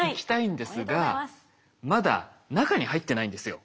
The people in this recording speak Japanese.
まだ中に入ってないんですよ。